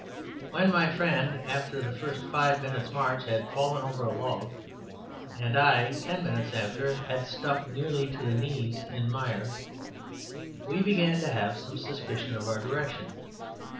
When my friend, after the first five minutes' march, had fallen over a log, and I, ten minutes after, had stuck nearly to the knees in mire, we began to have some suspicion of our direction.